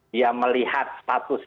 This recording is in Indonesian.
dia melihat status